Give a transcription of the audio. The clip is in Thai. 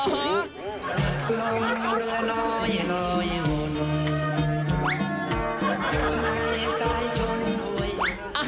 ลมเรือน้อยน้อยมนต์